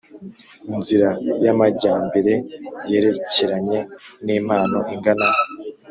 Nzira y Amajyambere yerekeranye n impano ingana